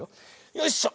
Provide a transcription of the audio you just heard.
よいしょ！